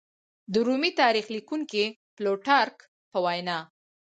د رومي تاریخ لیکونکي پلوټارک په وینا